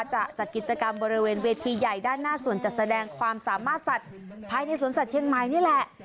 จะจัดกิจกรรมบริเวณเวทีใหญ่ด้านหน้าส่วนจัดแสดงความสามารถสัตว์ภายในสวนสัตว์เชียงใหม่นี่แหละ